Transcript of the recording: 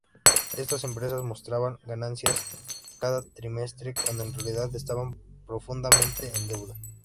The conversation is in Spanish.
Estas empresas mostraban ganancias cada trimestre, cuando en realidad estaban profundamente en deuda.